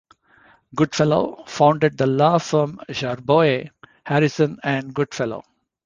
Goodfellow, founded the law firm Jarboe, Harrison and Goodfellow.